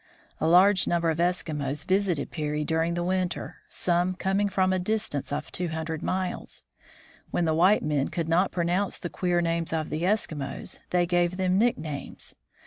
A large number of Eskimos visited Peary during the winter, some coming from a distance of two hundred miles. When the white men could not pronounce the queer names of the Eskimos, they gave them nicknames.